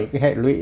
những cái hệ lụy